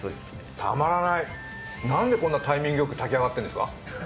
たまらない、なんでこんなタイミングよく炊き上がってるんですか？